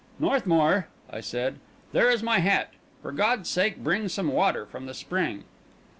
"Northmour," I said, "there is my hat. For God's sake bring some water from the spring."